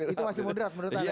itu masih muderat menurut anda ya